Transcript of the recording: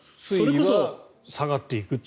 水位は下がっていくと。